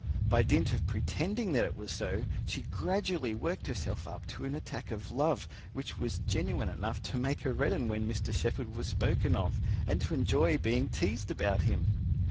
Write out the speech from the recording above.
By dint of pretending that it was so, she gradually worked herself up into an attack of love, which was genuine enough to make her redden when Mr. Shepherd was spoken of, and to enjoy being teased about him.